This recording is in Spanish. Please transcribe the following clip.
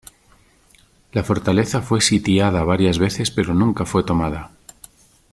La fortaleza fue sitiada varias veces pero nunca fue tomada.